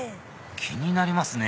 気になりますね